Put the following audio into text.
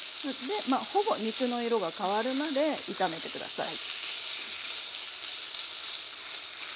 でほぼ肉の色が変わるまで炒めて下さい。